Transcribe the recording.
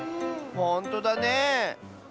ほんとだねえ。